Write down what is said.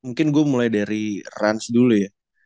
mungkin gue mulai dari rans dulu ya